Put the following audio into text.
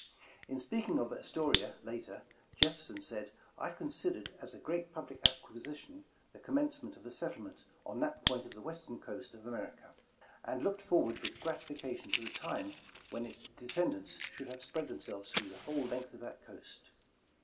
In speaking of Astoria, later, Jefferson said: ''I considered as a great public acquisition the commence ment of a settlement on that point of the Western coast of America, and looked forward with gratification to the time when its descendants should have spread them selves through the whole length of that coast."